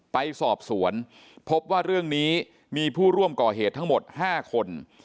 ไปสอบสวนพบว่าเรื่องนี้มีผู้ร่วมก่อเหตุทั้งหมด๕คน